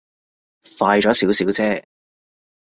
快咗少少啫